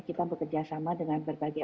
kita bekerjasama dengan berbagai